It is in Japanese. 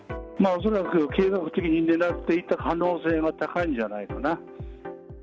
恐らく計画的に狙っていた可能性が高いんじゃないかな。